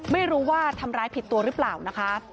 ไม่รู้ว่าทำร้ายผิดตัวหรือเปล่านะคะ